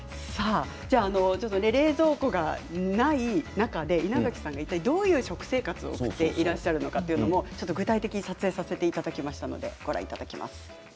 冷蔵庫がない中で稲垣さんがどういう食生活を送っていらっしゃるのか具体的に撮影させていただきました。